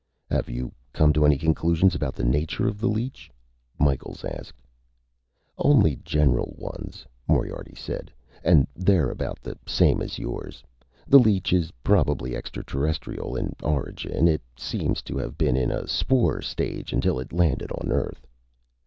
"Have you come to any conclusions about the nature of the leech?" Micheals asked. "Only general ones," Moriarty said, "and they're about the same as yours. The leech is probably extraterrestrial in origin. It seems to have been in a spore stage until it landed on Earth."